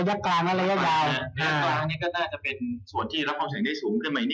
ใช้พื้นค่ายเกษียณเพื่อการเกษียณ